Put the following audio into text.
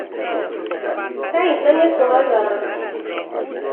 سعید من یه سوال دارم.